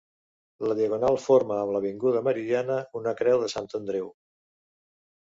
La Diagonal forma amb l'avinguda Meridiana una creu de Sant Andreu.